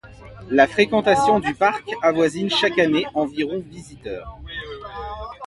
La fréquentation du parc avoisine chaque année environ visiteurs.